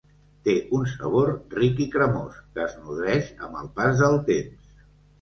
Té un sabor ric i cremós, que es nodreix amb el pas del temps.